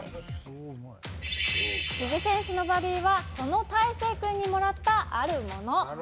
辻選手のバディは、その大誠くんにもらったあるもの。